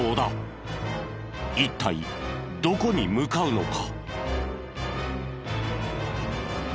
一体どこに向かうのか？